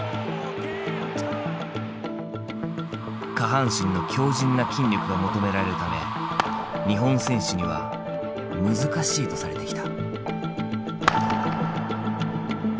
下半身の強じんな筋力が求められるため日本選手には難しいとされてきた。